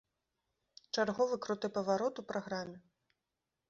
Чарговы круты паварот у праграме.